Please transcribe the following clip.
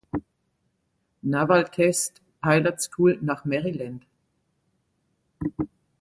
Naval Test Pilot School nach Maryland.